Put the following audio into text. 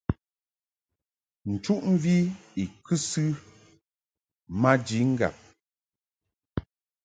Nchuʼmvi i kɨsɨ maji ŋgab.